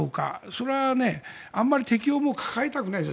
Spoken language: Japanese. それはあまり敵を抱えたくない。